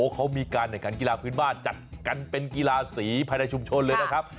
เขามีการแข่งขันกีฬาพื้นบ้านจัดกันเป็นกีฬาสีภายในชุมชนเลยนะครับ